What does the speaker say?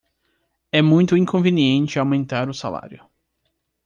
É muito inconveniente aumentar o salário